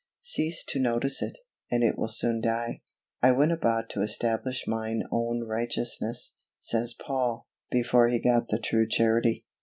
Cease to notice it, and it will soon die. "I went about to establish mine own righteousness," says Paul, before he got the true Charity.